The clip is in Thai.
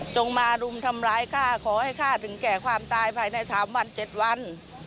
มารุมทำร้ายข้าขอให้ข้าถึงแก่ความตายภายใน๓วัน๗วัน